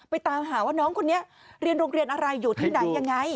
ตามหาว่าน้องคนนี้เรียนโรงเรียนอะไรอยู่ที่ไหนยังไง